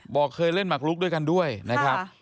เคยเล่นหมักลุกด้วยกันด้วยนะครับ